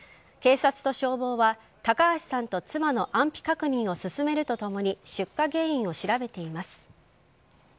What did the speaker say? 警察と消防は高橋さんと妻の安否確認を進めるとともに出火原因を調べています。